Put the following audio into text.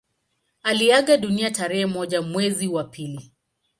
Aliaga dunia tarehe moja mwezi wa pili